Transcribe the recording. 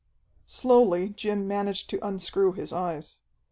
Slowly Jim managed to unscrew his eyes.